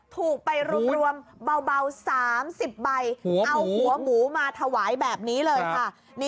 ถูกไปรวมเบา๓๐ใบเอาหัวหมูมาถวายแบบนี้เลยค่ะ